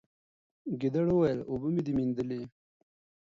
ګیدړ وویل اوبه مي دي میندلي